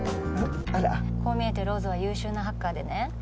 あらこう見えてローズは優秀なハッカーでね